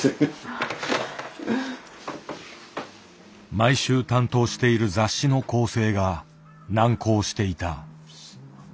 毎週担当している雑誌の校正が難航していた。